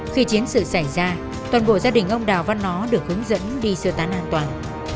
khi chiến sự xảy ra toàn bộ gia đình ông đào văn nó được hướng dẫn đi sơ tán an toàn